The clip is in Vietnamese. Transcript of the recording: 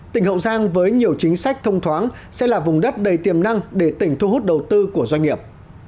tỉnh hậu giang với nhiều chính sách thông thoáng sẽ là vùng đất đầy tiềm năng để tỉnh thu hút đầu tư của doanh nghiệp